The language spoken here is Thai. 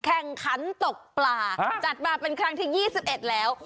แข่งขันตกปลาจัดมาเป็นครั้งที่๒๑แล้ว